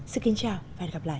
xin kính chào và hẹn gặp lại